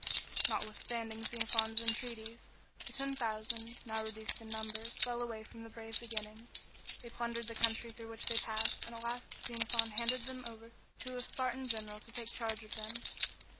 Notwithstanding Xenophon's entreaties, the Ten Thousand, now reduced in numbers, fell away from the brave beginnings. They plundered the country through which they passed, and at last Xenophon handed them over to a Spartan general to take charge of them.